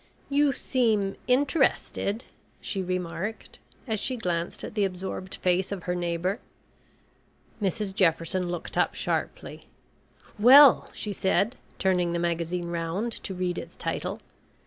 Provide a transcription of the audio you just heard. "You seem interested," she remarked, as she glanced at the absorbed face of her neighbour. Mrs Jefferson looked up sharply. "Well," she said, turning the magazine round to read its title.